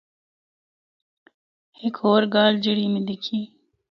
ہک ہور گل جِڑّی میں دِکھی۔